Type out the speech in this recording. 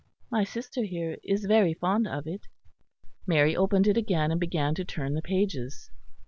My sister here is very fond of it." Mary opened it again, and began to turn the pages.